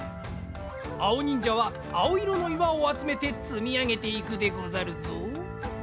あおにんじゃはあおいろの岩をあつめてつみあげていくでござるぞ。